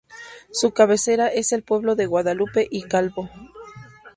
Su cabecera es el pueblo de Guadalupe y Calvo.